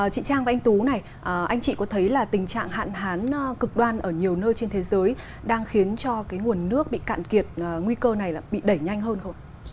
chị trang và anh tú anh chị có thấy tình trạng hạn hán cực đoan ở nhiều nơi trên thế giới đang khiến cho nguồn nước bị cạn kiệt nguy cơ này bị đẩy nhanh hơn không